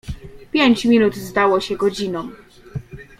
Pięć minut zdało się godziną.